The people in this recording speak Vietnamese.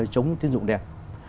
chống tín dụng đen